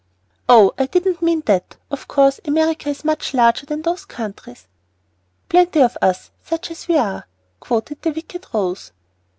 "Oh, I didn't mean that. Of course America is much larger than those countries." "'Plenty of us such as we are'" quoted the wicked Rose.